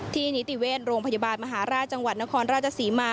ที่หน้านิติเวทโรงพยาบาลมหาราชจังหวัดนครราชสีมา